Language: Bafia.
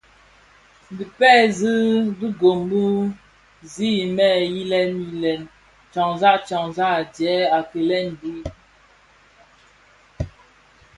Dhi pezi dhigōn bi zi mě yilè yilen tyanzak tyañzak a djee a kilèn, bhui,